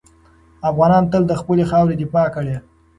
افغانانو تل د خپلې خاورې دفاع کړې ده.